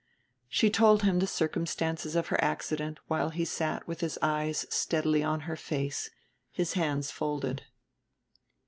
She told him the circumstances of her accident while he sat with his eyes steadily on her face, his hands folded.